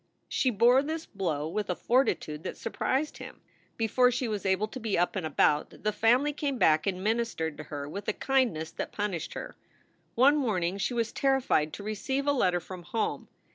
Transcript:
She bore this blow with a fortitude that surprised him. Before she was able to be up and about, the family came back and ministered to her with a kindness that punished her. One morning she was terrified to receive a letter from home.